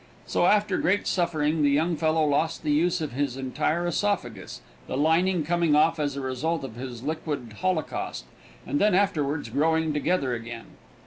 So, after great suffering, the young fellow lost the use of his entire esophagus, the lining coming off as a result of this liquid holocaust, and then afterwards growing together again.